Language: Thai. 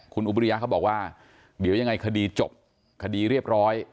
คุณอุบริยะเขาบอกว่าเดี๋ยวยังไงคดีจบคดีเรียบร้อย